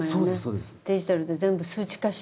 デジタルで全部数値化して。